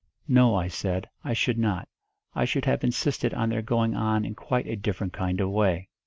No, I said, I should not. I should have insisted on their going on in quite a different kind of way.